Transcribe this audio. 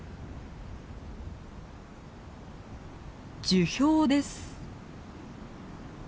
樹氷です。